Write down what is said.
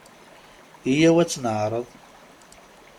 Ayaw ad tt-neƐreḍ.